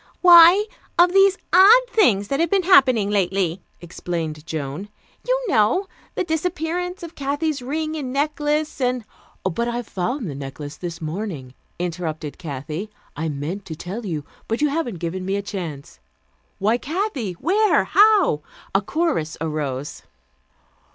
"Why, of these odd things that have been happening lately," explained Joan. "You know, the disappearance of Kathy's ring and necklace, and " "But I found the necklace this morning," interrupted Kathy. "I meant to tell you, but you haven't given me a chance." "Why, Kathy!" "Where?" "How?" A chorus arose.